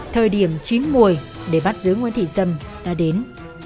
thời điểm chín mùi để bắt giữ nguyễn thị dâm đã đến